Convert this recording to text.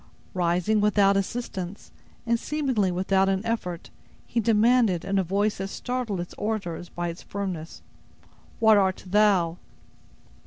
Rising without assistance, and seemingly without an effort, he demanded, in a voice that startled its auditors by its firmness: "What art thou?"